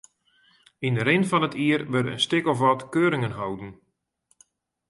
Yn de rin fan it jier wurde in stik of wat keuringen holden.